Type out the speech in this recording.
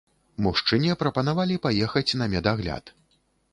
Мужчыне прапанавалі паехаць на медагляд.